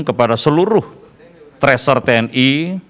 kepada seluruh tracer tni